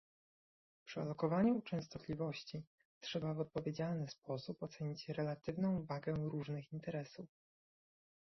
Przy alokowaniu częstotliwości trzeba w odpowiedzialny sposób ocenić relatywną wagę różnych interesów